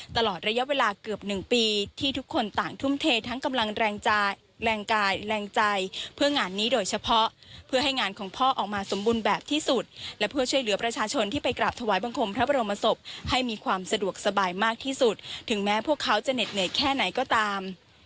ตลอดระยะเวลาเกือบหนึ่งปีที่ทุกคนต่างทุ่มเททั้งกำลังแรงกายแรงใจเพื่องานนี้โดยเฉพาะเพื่อให้งานของพ่อออกมาสมบูรณ์แบบที่สุดและเพื่อช่วยเหลือประชาชนที่ไปกราบถวายบังคมพระบรมศพให้มีความสะดวกสบายมากที่สุดถึงแม้พวกเขาจะเหน็ดเหนื่อยแค่ไหนก็ตาม